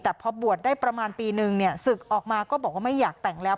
แต่พอบวชได้ประมาณปีนึงเนี่ยศึกออกมาก็บอกว่าไม่อยากแต่งแล้ว